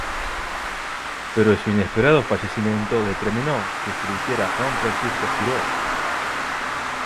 Pero su inesperado fallecimiento determinó que se eligiera a Juan Francisco Giró.